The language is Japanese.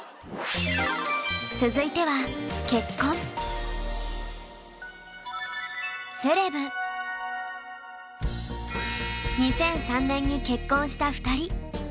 続いては２００３年に結婚した２人。